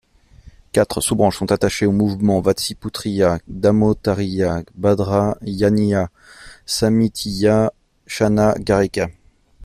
Quatre sous-branches sont attachées au mouvement Vatsiputriya: Dharmottariya, Bhadrayaniya, Sammitiya, Shannagarika.